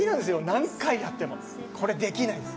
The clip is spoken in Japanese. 何回やっても、これできない。